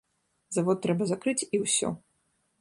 Завод трэба закрыць і ўсё.